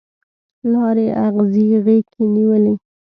لارې اغزي غیږ کې نیولي